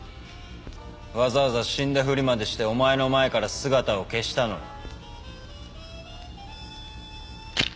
わざわざ死んだふりまでしてお前の前から姿を消したのに。